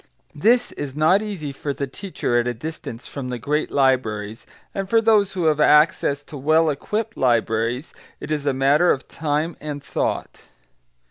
This is not easy for the teacher at a distance from the great libraries, and for those who have access to well equipped libraries it is a matter of time and thought.